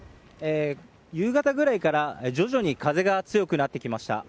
夕方ぐらいから徐々に風が強くなってきました。